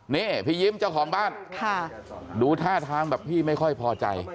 นี่พี่ยิ้มเจ้าของบ้านดูท่าทางแบบพี่ไม่ค่อยพอใจ